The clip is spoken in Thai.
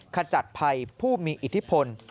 ขจัดภัยผู้มีอิทธิพล